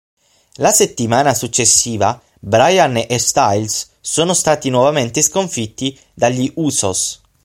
La settimana successiva Bryan e Styles sono stati nuovamente sconfitti dagli Usos.